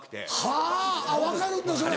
はぁあっ分かるんだそれ。